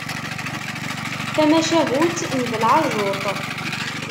Tamacahut n belɛejjuṭ.